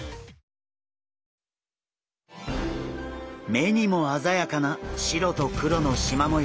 目にもあざやかな白と黒のしま模様